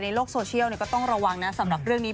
ในโลกโซเชียลก็ต้องระวังนะสำหรับเรื่องนี้